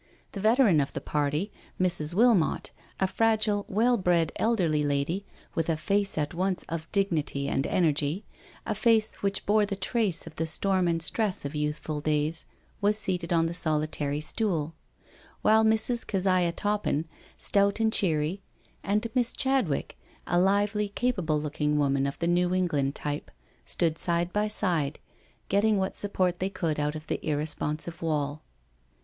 The veteran of the party, Mrs. Wilmot, a fragile, well bred, elderly lady, with a face at once of dignity and energy, a face which bore the trace of the storm and stress of youthful days, was seated on the solitary stool, while Mrs. Keziah Toppin, stout and cheery, and Miss Chadwick, a lively, capable looking woman of the New England type, stood side by side, getting what support they could out of the irresponsive wall.